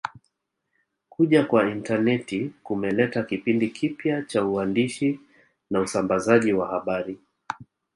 Kuja kwa intaneti kumeleta kipindi kipya cha uandishi na usambazaji wa habari